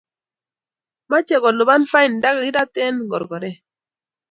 Mochei kolipan fain nda kerat eng korokoret